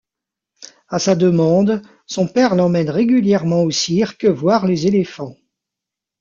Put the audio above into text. À sa demande, son père l'emmène régulièrement au cirque voir les éléphants.